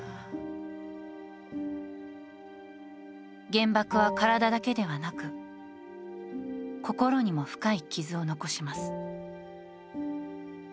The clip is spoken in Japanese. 原爆は体だけではなく、心にも深い傷を残します。